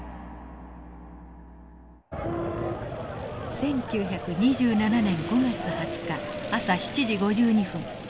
１９２７年５月２０日朝７時５２分。